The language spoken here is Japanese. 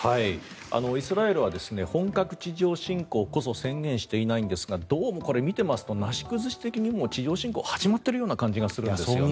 イスラエルは本格地上侵攻こそ宣言していないんですがどうも見ていますとなし崩し的に地上侵攻が始まっているような感じがするんですね。